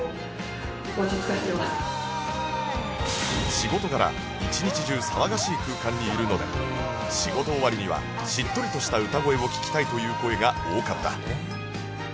仕事柄一日中騒がしい空間にいるので仕事終わりにはしっとりとした歌声を聴きたいという声が多かった